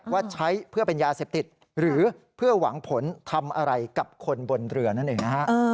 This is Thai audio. ว่าใช้เพื่อเป็นยาเสพติดหรือเพื่อหวังผลทำอะไรกับคนบนเรือนั่นเองนะฮะ